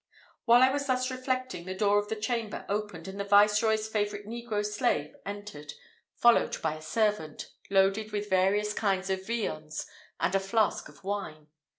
While I was thus reflecting, the door of the chamber opened, and the Viceroy's favourite negro slave entered, followed by a servant, loaded with various kinds of viands, and a flask of wine.